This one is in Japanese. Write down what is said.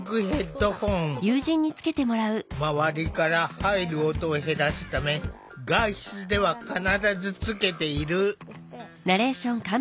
まわりから入る音を減らすため外出では必ずつけている。